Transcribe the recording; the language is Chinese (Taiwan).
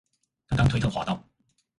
剛剛推特滑到